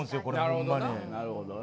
なるほどな。